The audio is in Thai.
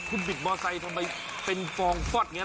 คุณบิดมอไซค์ทำไมเป็นฟองฟอดอย่างนี้